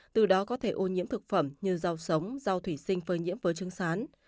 từ đó có thể ô nhiễm thực phẩm như rau sống rau thủy sinh phơi nhiễm với trứng sán